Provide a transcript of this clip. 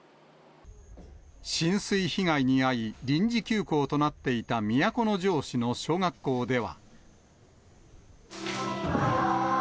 浸水被害に遭い、臨時休校となっていた都城市の小学校では。